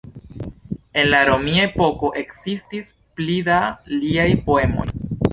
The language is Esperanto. En la romia epoko ekzistis pli da liaj poemoj.